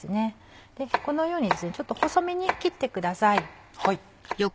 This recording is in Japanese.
このようにですねちょっと細めに切ってください。